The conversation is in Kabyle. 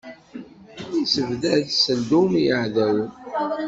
Issebdad ssellum i yiɛdawen.